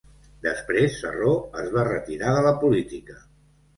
Després Sarraut es va retirar de la política.